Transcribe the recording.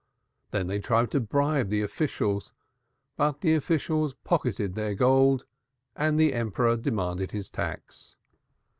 Then they tried to bribe the officials, but the officials pocketed their gold and the Emperor still demanded his tax.